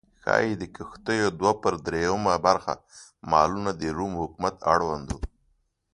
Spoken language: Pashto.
ښايي د کښتیو دوه پر درېیمه برخه مالونه د روم حکومت اړوند و